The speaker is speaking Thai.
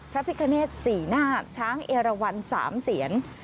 พระพิคเนศสี่หน้าช้างเอระวันสามเสียร